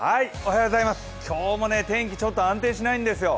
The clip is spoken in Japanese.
今日も天気、ちょっと安定しないんですよ。